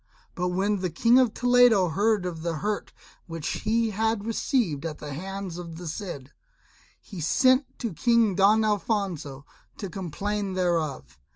But when the King of Toledo heard of the hurt which he had received at the hands of the Cid, he sent to King Don Alfonso to complain thereof.